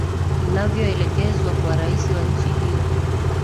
ivyoelekezwa kwa rais wa nchi hiyo